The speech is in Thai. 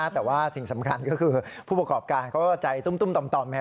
แต่ว่าสิ่งสำคัญก็คือผู้ประกอบการเขาก็ใจตุ้มต่อมนะครับ